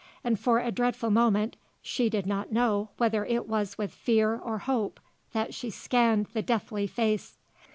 And, for a dreadful moment, she did not know whether it was with fear or hope that she scanned the deathly face.